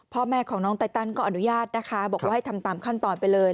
พ่อแม่ของน้องไตตันก็อนุญาตนะคะบอกว่าให้ทำตามขั้นตอนไปเลย